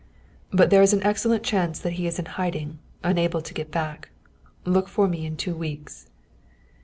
But there is an excellent chance that he is in hiding, unable to get back. Look for me in two weeks."